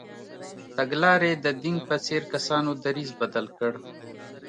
تګلارې د دینګ په څېر کسانو دریځ بدل کړ.